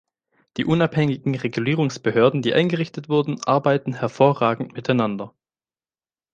Die unabhängigen Regulierungsbehörden, die eingerichtet wurden, arbeiten hervorragend miteinander.